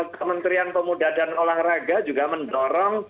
kementerian pemuda dan olahraga juga mendorong